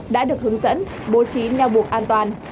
đã được hướng dẫn bố trí neo buộc an toàn